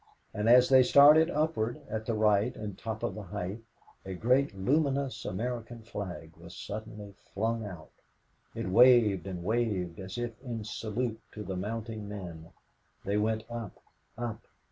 And as they started upward, at the right and top of the height, a great luminous American flag was suddenly flung out. It waved and waved as if in salute to the mounting men. They went up, up.